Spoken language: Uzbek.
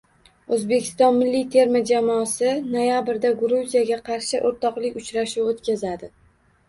O‘zbekiston milliy terma jamoasi noyabrda Gruziyaga qarshi o‘rtoqlik uchrashuvi o‘tkazadi